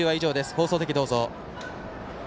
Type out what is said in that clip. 放送席どうぞ。